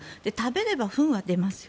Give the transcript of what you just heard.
食べればフンは出ますよ。